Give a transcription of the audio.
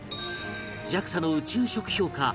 ＪＡＸＡ の宇宙食評価